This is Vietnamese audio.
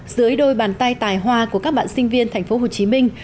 dưới đôi bàn tay tài hoa của các bạn sinh viên tp hcm